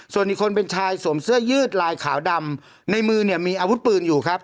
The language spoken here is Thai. ส่วนอีกคนเป็นชายสวมเสื้อยืดลายขาวดำในมือเนี่ยมีอาวุธปืนอยู่ครับ